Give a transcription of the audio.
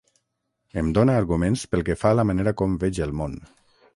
Em dóna arguments pel que fa a la manera com veig el món.